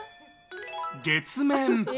月面。